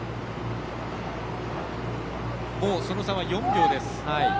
もうその差は４秒です。